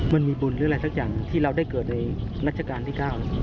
มันมีบุญหรืออะไรสักอย่างที่เราได้เกิดในรัชกาลที่๙